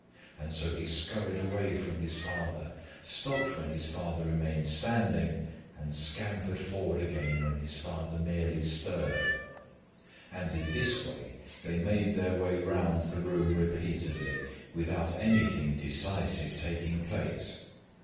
And so he scurried away from his father, stopped when his father remained standing, and scampered forward again when his father merely stirred. In this way they made their way around the room repeatedly, without anything decisive taking place.